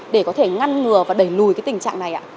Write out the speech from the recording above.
để có thể ngăn ngừa và đẩy lùi cái tình trạng này ạ